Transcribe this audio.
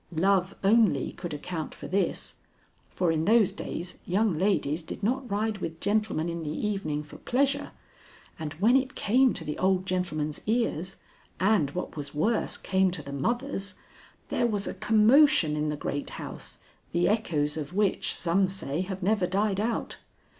Love only could account for this, for in those days young ladies did not ride with gentlemen in the evening for pleasure, and when it came to the old gentleman's ears, and, what was worse, came to the mother's, there was a commotion in the great house, the echoes of which, some say, have never died out.